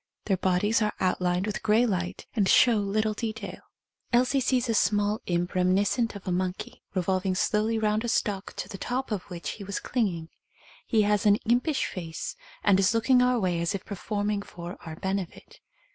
Their bodies are outlined with grey light and show little detail. Elsie sees a small imp reminiscent of a monkey, revolving slowly round a stalk to the top of which he was clinging. He has an impish face and is looking our way as if per forming for our benefit.